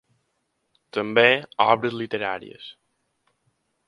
També obres literàries.